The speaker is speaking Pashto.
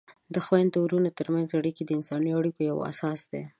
د خویندو ورونو ترمنځ اړیکې د انساني اړیکو یوه اساس ده.